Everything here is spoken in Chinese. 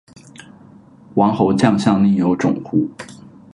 王侯将相，宁有种乎